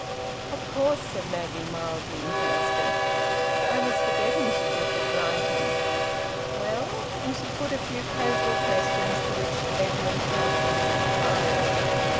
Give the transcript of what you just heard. "Of course," said Maggie, mildly interested. "I was forgetting she lived at Brighton. Well?" and she put a few casual questions, to which Edwin casually replied.